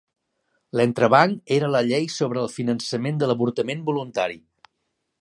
L'entrebanc era la llei sobre el finançament de l'avortament voluntari.